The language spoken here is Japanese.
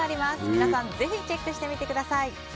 皆さんぜひ、チェックしてみてください。